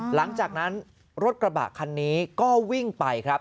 หลังจากนั้นรถกระบะคันนี้ก็วิ่งไปครับ